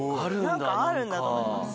何かあるんだと思います。